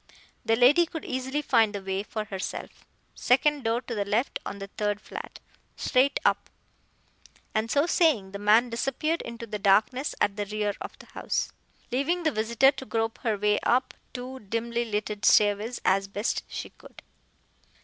The lady could easily find the way for herself. Second door to the left on the third flat. Straight up. And so saying the man disappeared into the darkness at the rear of the house, leaving the visitor to group her way up two dimly lighted stairways as best she could.